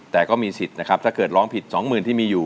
แต่ก็มีสิทธิ์นะครับถ้าเกิดร้องผิดสองหมื่นที่มีอยู่